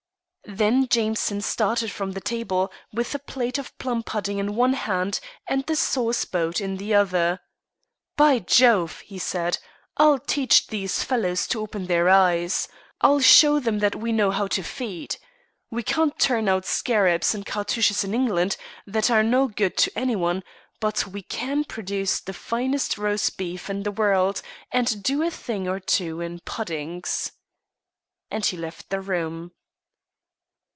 Then Jameson started from table with a plate of plum pudding in one hand and the sauce boat in the other. "By Jove!" he said, "I'll teach these fellows to open their eyes. I'll show them that we know how to feed. We can't turn out scarabs and cartouches in England, that are no good to anyone, but we can produce the finest roast beef in the world, and do a thing or two in puddings." And he left the room.